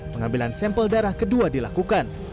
pengambilan sampel darah kedua dilakukan